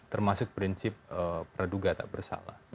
termasuk prinsip praduga tak bersalah